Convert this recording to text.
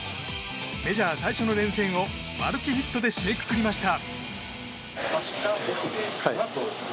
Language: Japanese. メジャー最初の連戦をマルチヒットで締めくくりました。